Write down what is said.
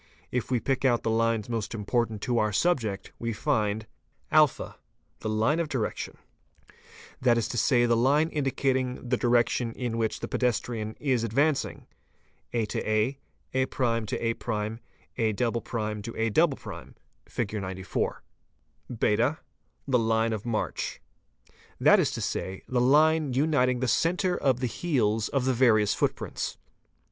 If we pick out the lines most important to our subject _ we find :— (a) The line of direction. That is to say the line indicating the direction in which the pedes trian is advancing aa, a' a', a' a" (Fig. 94). (8) The line of march. That is to say, the line uniting the centre of the heels of the various footprints.